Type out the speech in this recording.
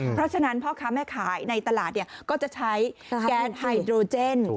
เพราะฉะนั้นพ่อค้าแม่ขายในตลาดก็จะใช้แก๊สไฮโดรเจน